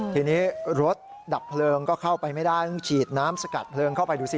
ทีนี้รถดับเพลิงก็เข้าไปไม่ได้ต้องฉีดน้ำสกัดเพลิงเข้าไปดูสิ